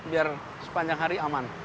biar sepanjang hari aman